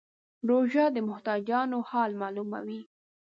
روژه د محتاجانو حال معلوموي.